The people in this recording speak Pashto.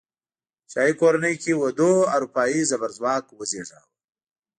شاهي کورنۍ کې ودونو اروپايي زبرځواک وزېږاوه.